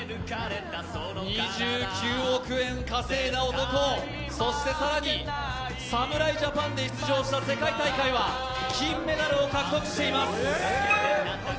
２９億円稼いだ男、そして更に侍ジャパンで出場した世界大会では金メダルを獲得しています。